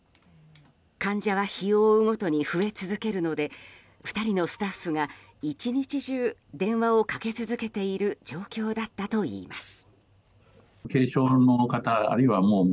患者は日を追うごとに増え続けるので２人のスタッフが１日中電話をかけ続けている状況だったといいます。